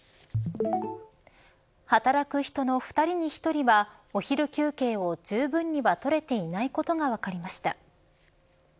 働く人の２人に１人はお昼休憩をじゅうぶんには取れていないことが分かりました。